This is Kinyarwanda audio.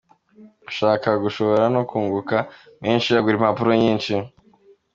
Ushaka gushora no kunguka menshi agura impapuro nyinshi.